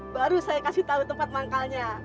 baru saya kasih tahu tempat manggalnya